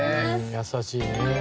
優しいねえ。